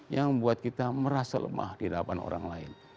yang membuat kita merasa lemah di hadapan orang lain